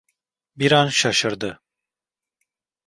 Bir an şaşırdı.